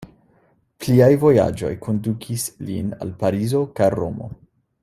Pliaj vojaĝoj kondukis lin al Parizo kaj Romo.